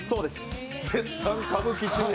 絶賛、歌舞伎中で。